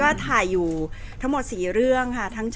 แต่ว่าสามีด้วยคือเราอยู่บ้านเดิมแต่ว่าสามีด้วยคือเราอยู่บ้านเดิม